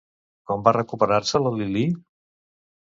Com va recuperar-se la Lilí?